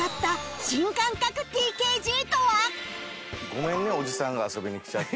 ごめんねおじさんが遊びに来ちゃって。